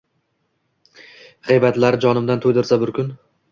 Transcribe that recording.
Giybatlari jonimdan tuydirsa bir kun